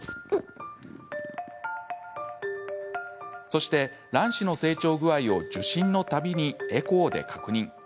そして卵子の成長具合を受診のたびにエコーで確認。